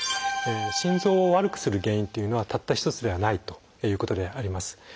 心臓を悪くする原因というのはたった一つではないということであります。